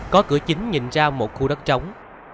có cửa chính nhìn ra một khu đất trống